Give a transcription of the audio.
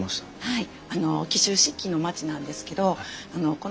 はい。